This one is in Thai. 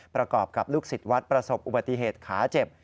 ประกอบกับลูกศิษย์วัดประสบอุบัติเหตุขาเจ็บ